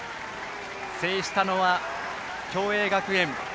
制したのは共栄学園。